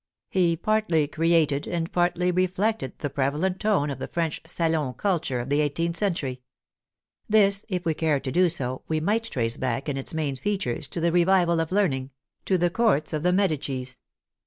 He partly created and partly reflected the prevalent tone of the French salon culture of the eighteenth century. This, if we cared to do so, we might trace back in its main features to the revival of learning — to the courts of the Medicis.